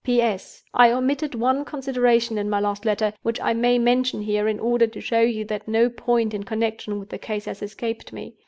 "P.S.—I omitted one consideration in my last letter, which I may mention here, in order to show you that no point in connection with the case has escaped me.